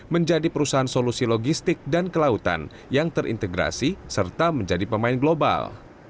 menjadi perusahaan solusi logistik dan kelautan yang terintegrasi serta menjadi pemain global